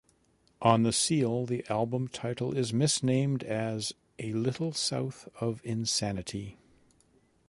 On the seal, the album title is misnamed as "A Little South of Insanity".